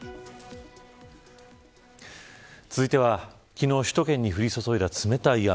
続いては昨日首都圏に降り注いだ冷たい雨。